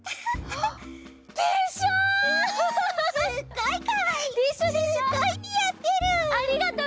ありがとう！